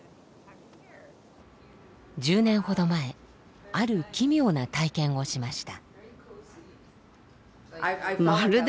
１０年ほど前ある奇妙な体験をしました。